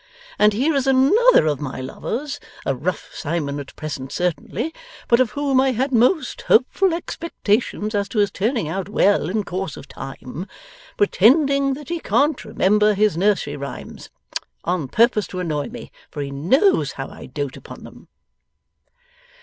And here is another of my lovers, a rough Cymon at present certainly, but of whom I had most hopeful expectations as to his turning out well in course of time, pretending that he can't remember his nursery rhymes! On purpose to annoy me, for he knows how I doat upon them!